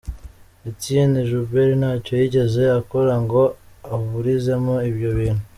Etienne Joubert ntacyo yigeze akora ngo aburizemo ibyo bintu.